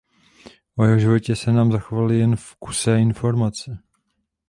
O jeho životě se nám zachovaly jen kusé informace.